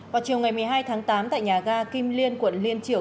vào chiều ngày một mươi hai tháng tám tại nhà ga kim liên quận liên triểu